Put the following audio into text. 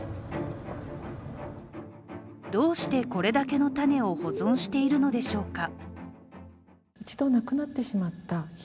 どうしてこれだけの種を保存しているのでしょうか。